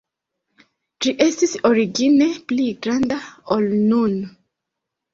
Ĝi estis origine pli granda, ol nun.